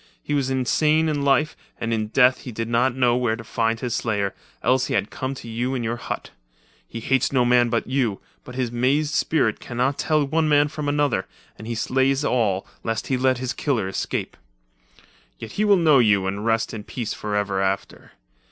He was insane in life, and in death he did not know where to find his slayer; else he had come to you in your hut. He hates no man but you, but his mazed spirit can not tell one man from another, and he slays all, lest he let his killer escape. Yet he will know you and rest in peace, forever after.